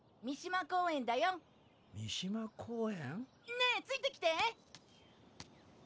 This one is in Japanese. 三島公園？ねえついてきて！